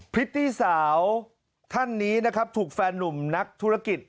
พริตตี้สาวท่านนี้นะครับถูกแฟนนุ่มนักธุรกิจ